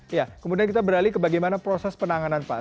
iya kemudian kita beralih ke bagaimana proses penanganan pak